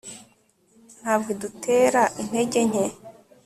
ntabwo idutera intege nke